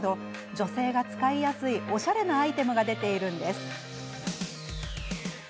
女性が使いやすいようおしゃれなアイテムが出ているんです。